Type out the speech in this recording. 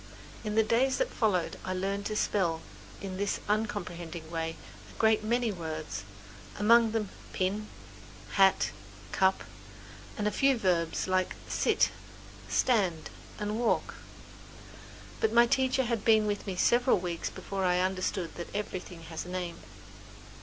In the days that followed I learned to spell in this uncomprehending way a great many words, among them pin, hat, cup and a few verbs like sit, stand and walk. But my teacher had been with me several weeks before I understood that everything has a name.